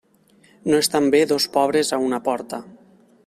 No estan bé dos pobres a una porta.